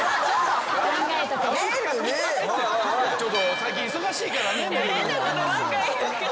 最近忙しいからねめるる。